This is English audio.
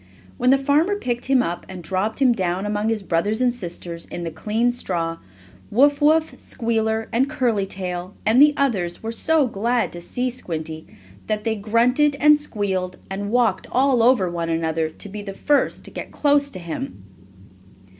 When the farmer picked him up, and dropped him down among his brothers and sisters, in the clean straw, Wuff Wuff, Squealer, and Curly Tail, and the others, were so glad to see Squinty that they grunted, and squealed and walked all over one another, to be the first to get close to him.